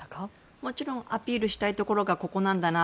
もちろんアピールしたいところがここなんだなあ